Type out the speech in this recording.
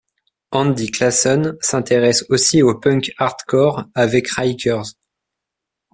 Andy Classen s'intéresse aussi au punk hardcore avec Ryker's.